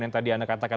yang tadi anda katakan